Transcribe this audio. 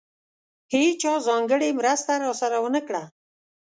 هېچا ځانګړې مرسته راسره ونه کړه.